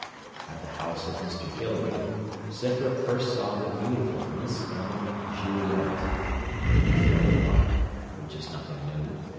At the house of Mr Hilary, Scythrop first saw the beautiful Miss Emily Girouette. He fell in love; which is nothing new.